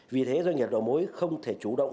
vì thế doanh nghiệp đầu mối không thể chủ động